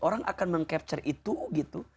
orang akan meng capture itu gitu